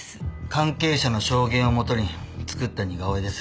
関係者の証言を元に作った似顔絵です。